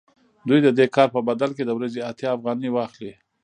دوی د دې کار په بدل کې د ورځې اتیا افغانۍ واخلي